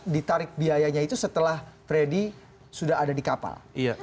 ditarik biayanya itu setelah freddy sudah ada di kapal